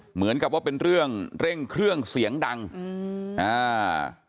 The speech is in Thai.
เหมือนกับว่าเป็นเรื่องเร่งเครื่องเสียงดังอืมอ่า